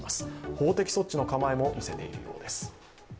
法的措置の構えも見せているようです。